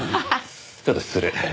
ちょっと失礼。